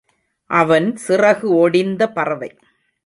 அவன் சிறகு ஒடிந்த பறவை.